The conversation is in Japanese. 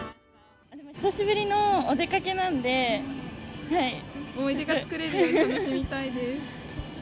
久しぶりのお出かけなんで、思い出作れるように楽しみたいです。